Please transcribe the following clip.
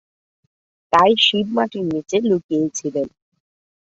তাই শিব মাটির নিচে লুকিয়ে ছিলেন।